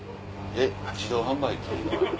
えっ自動販売機？